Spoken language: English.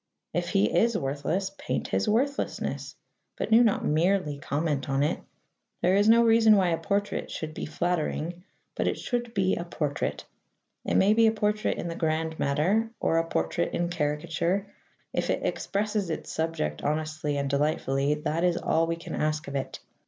If he is worthless, paint his worthlessness, but do not merely comment on it. There is no reason why a portrait should be flattering, but it should be a portrait. It may be a portrait in the grand matter, or a portrait in caricature: if it expresses its subject honestly and delightfully, that is all we can ask of it.